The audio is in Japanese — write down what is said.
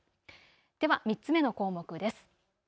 では３つ目の項目です。